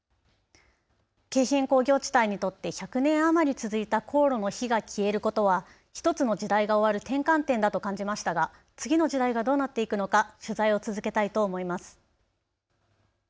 京浜工業地帯にとって１００年余り続いた高炉の火が消えることは１つの時代が終わる転換点だと感じましたが次の時代がどうなっていくのか取材を続けたいと思います。